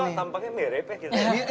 tapi kok tampaknya merepek gitu